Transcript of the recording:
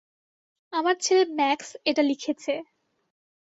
আমার ছেলে ম্যাক্স এটা লিখেছে।